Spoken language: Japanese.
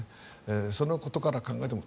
そのことから考えても。